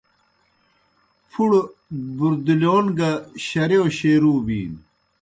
پُھڑو بُردِلِیون گہ شرِیؤ شیروع بِینوْ۔